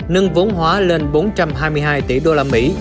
nâng vốn hóa lên bốn trăm hai mươi hai tỷ đô la mỹ